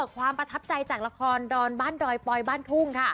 ความประทับใจออกจากละครบ้านรอยบ้านทุ่ง